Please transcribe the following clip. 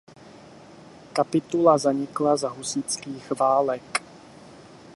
Kapitula zanikla za husitských válek.